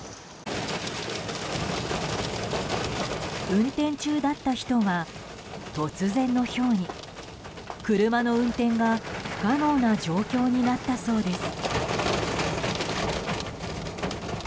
運転中だった人は突然のひょうに車の運転が不可能な状況になったそうです。